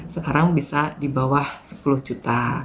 sekarang bisa di bawah sepuluh juta